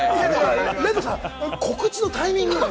ＲＥＤさん、告知のタイミング。